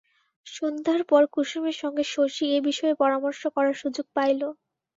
সন্ধ্যার পর কুসুমের সঙ্গে শশী এ বিষয়ে পরমার্শ করার সুযোগ পাইল।